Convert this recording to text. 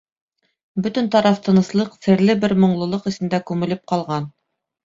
Бөтөн тараф тыныслыҡ, серле бер моңлолоҡ эсендә күмелеп ҡалған.